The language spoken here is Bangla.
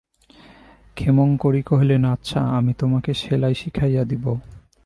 ক্ষেমংকরী কহিলেন, আচ্ছা, আমি তোমাকে সেলাই শিখাইয়া দিব।